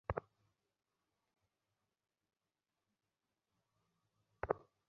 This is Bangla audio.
মনোবিদের সঙ্গে কাল বিকেলে ঘণ্টা খানেক কুর্মিটোলা কোর্সে কাজ করেছেন সিদ্দিকুর।